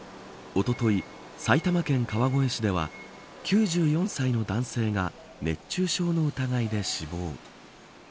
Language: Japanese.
おととい、埼玉県川越市では９４歳の男性が熱中症の疑いで死亡。